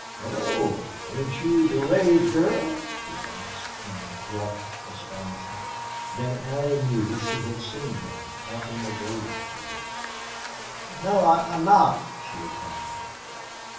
"Hullo! Ain't you Durade's girl?" he asked, in gruff astonishment. Then Allie knew she had seen him out in the gold fields. "No, I'm not," she replied.